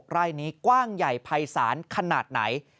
ไร่นี้กว้างใหญ่ภัยศาลขนาดไหน